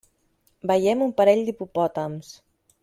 Veiem un parell d'hipopòtams.